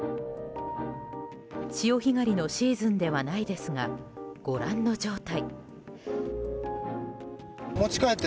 潮干狩りのシーズンではないですが、ご覧の状態。